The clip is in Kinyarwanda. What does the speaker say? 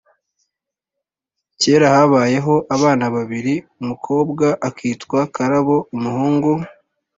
Kera habayeho abana babiri, umukobwa akitwa Karabo, umuhungu